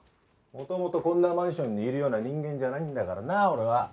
元々こんなマンションにいるような人間じゃないんだからな俺は。